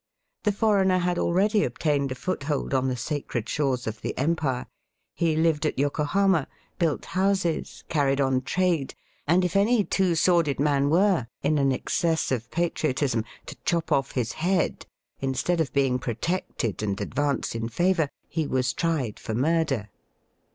The foreigner had already obtained a foothold on the sacred shores of the empire. He lived at Yokohama, built houses, carried on trade, and if any two sworded man were, in an excess of patriotism, to chop oflf his head, instead of being protected and advanced in favour, he was tried for murder.